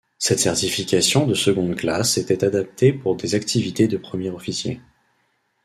Cette certification de seconde classe était adaptée pour des activités de premier officier.